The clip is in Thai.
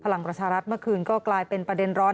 พลังประชารัฐเมื่อคืนก็กลายเป็นประเด็นร้อน